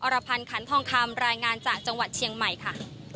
รพันธ์ขันทองคำรายงานจากจังหวัดเชียงใหม่ค่ะ